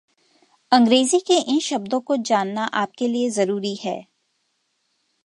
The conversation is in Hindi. अंग्रेजी के इन शब्दों को जानना आपके लिए जरूरी है...